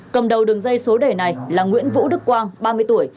cầm đầu đường dây số đề này là nguyễn vũ đức quang ba mươi tuổi